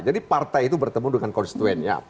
jadi partai itu bertemu dengan konstituen ya